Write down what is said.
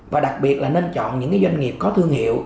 và đặc biệt là nên chọn những doanh nghiệp có thương hiệu